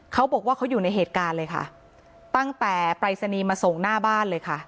เขาบอกว่าเขาอยู่ในเหตุการณ์เลยค่ะตั้งแต่ปรายศนีย์มาส่งหน้าบ้านเลยค่ะ